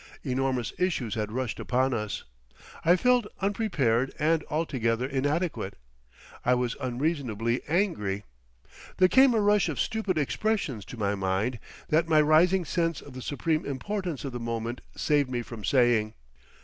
Enormous issues had rushed upon us. I felt unprepared and altogether inadequate. I was unreasonably angry. There came a rush of stupid expressions to my mind that my rising sense of the supreme importance of the moment saved me from saying.